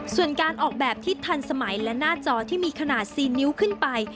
ส่วนการออกแบบที่ทันสมัยและหน้าจอที่มีขนาด๔นิ้วขึ้นไป